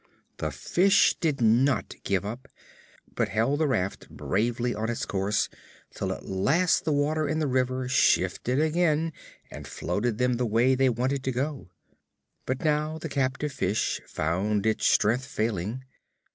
The fish did not give up, but held the raft bravely on its course, till at last the water in the river shifted again and floated them the way they wanted to go. But now the captive fish found its strength failing.